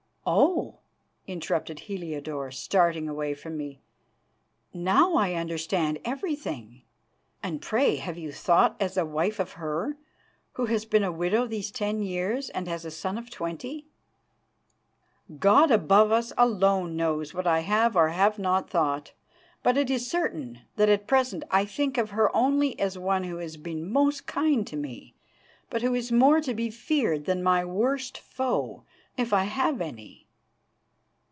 "Oh!" interrupted Heliodore, starting away from me, "now I understand everything. And, pray, have you thought as a wife of her, who has been a widow these ten years and has a son of twenty?" "God above us alone knows what I have or have not thought, but it is certain that at present I think of her only as one who has been most kind to me, but who is more to be feared than my worst foe, if I have any."